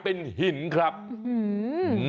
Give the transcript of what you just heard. พญานาคมานอนทิ้งรากเอาไว้จนมันกลายเป็นหินครับ